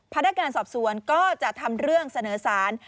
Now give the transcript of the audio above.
พระราชการต้องสอบสวนก็จะทำเรื่องเสนอศาล